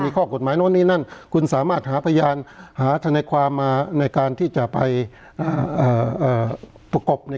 ก็คือแจ้งแบบนี้ใช่ไหม